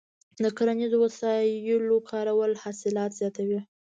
د کرنیزو وسایلو کارول حاصلات زیاتوي.